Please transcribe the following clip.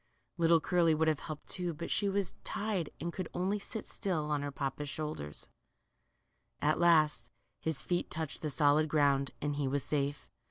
Little Curly would have helped, too, but she was tied and could only sit still on her papa's shoulder. At last his feet touched the solid ground, *and he * was safe.